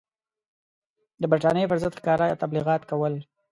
د برټانیې پر ضد ښکاره تبلیغات کول.